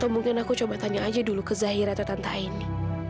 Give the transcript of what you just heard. mungkin aku coba tanya aja dulu ke zahir atau tante aini